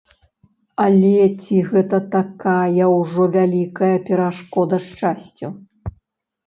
Але ці гэта такая ўжо вялікая перашкода шчасцю?